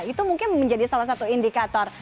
itu mungkin menjadi salah satu indikator